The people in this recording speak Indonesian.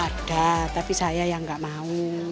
ada tapi saya yang nggak mau